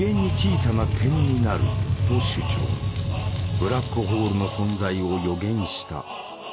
ブラックホールの存在を予言した。